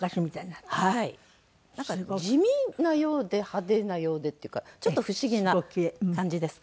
なんか地味なようで派手なようでっていうかちょっと不思議な感じです。